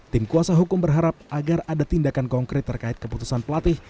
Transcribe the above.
tim kuasa hukum berharap agar ada tindakan konkret terkait keputusan pelatih